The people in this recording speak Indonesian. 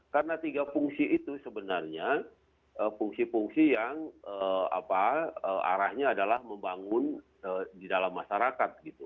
karena tiga fungsi itu sebenarnya fungsi fungsi yang arahnya adalah membangun di dalam masyarakat